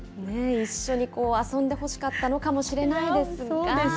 一緒に遊んでほしかったのかもしれないですが。